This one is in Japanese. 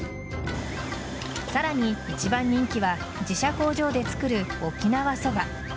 さらに一番人気は自社工場でつくる沖縄そば。